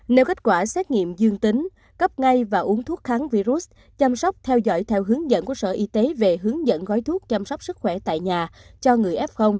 nếu kết quả xét nghiệm dương tính cấp ngay và uống thuốc kháng virus chăm sóc theo dõi theo hướng dẫn của sở y tế về hướng dẫn gói thuốc chăm sóc sức khỏe tại nhà cho người f